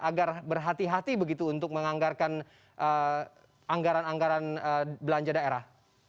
agar berhati hati begitu untuk menganggarkan anggaran anggaran belanja daerah